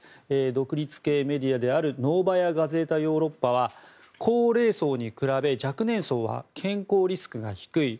独立系メディアであるノーバヤ・ガゼータ・ヨーロッパは高齢層に比べ若年層は健康リスクが低い。